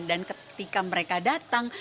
dan ketika mereka datang